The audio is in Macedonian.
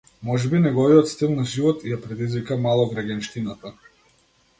Можеби неговиот стил на живот ја предизвика малограѓанштината?